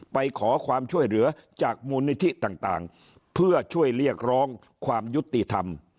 ไปขอความช่วยเหลือจากมูลนิธิต่างเพื่อช่วยเรียกร้องความยุติธรรม